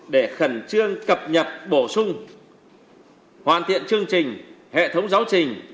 để khẩn trương cập nhật bổ sung hoàn thiện chương trình hệ thống giáo trình